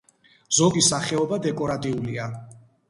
ზოგი სახეობა დეკორატიულია.